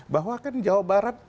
bahwa kan jawa barat